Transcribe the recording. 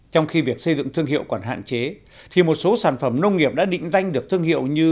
trong khi việc xây dựng thương hiệu còn hạn chế thì một số sản phẩm nông nghiệp đã định danh được thương hiệu như